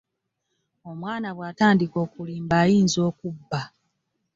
Omwana bw'atandika okulimba ayinza okubba.